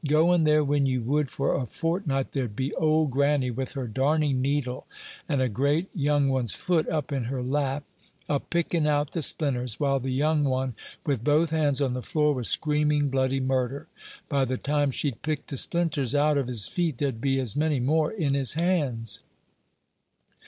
Go in there when you would, for a fortnight, there'd be old granny with her darning needle, and a great young one's foot up in her lap, a picking out the splinters, while the young one, with both hands on the floor, was screaming bloody murder. By the time she'd picked the splinters out of his feet, there'd be as many more in his hands."